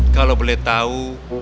kalau boleh tahu